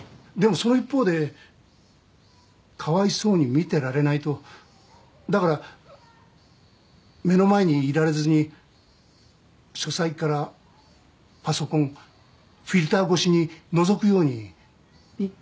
その一方で「かわいそうに」「見てられない」とだから目の前にいられずに書斎からパソコンフィルター越しにのぞくようにえっ？